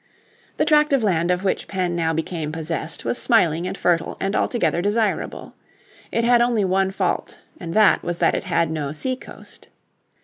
The tract of land of which Penn now became possessed was smiling and fertile and altogether desirable. It had only one fault, and that was that it had no sea coast.